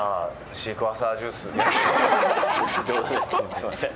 すみません。